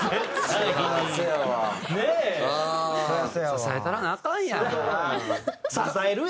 支えたらなアカンやん。